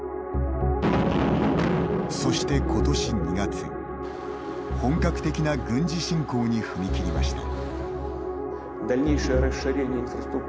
そして、ことし２月、本格的な軍事侵攻に踏み切りました。